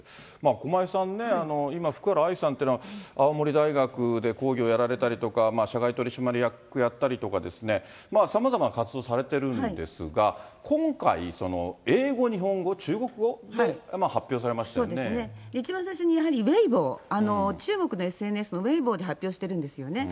駒井さんね、今、福原愛さんというのは、青森大学で講義をやられたりとか、社外取締役をやったりとかですね、さまざまな活動をされてるんですが、今回、その英語、日本語、中一番最初に、ウェイボー、中国のＳＮＳのウェイボーで発表してるんですよね。